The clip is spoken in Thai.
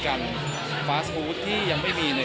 ครับตรงเตอร์ศาลตั้งแต่ที่รองเมริกา